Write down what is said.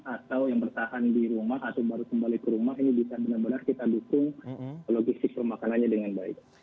atau yang bertahan di rumah atau baru kembali ke rumah ini bisa benar benar kita dukung logistik pemakanannya dengan baik